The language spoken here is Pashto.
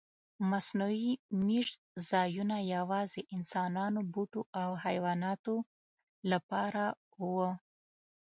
مصنوعي میشت ځایونه یواځې انسانانو، بوټو او حیواناتو لپاره و.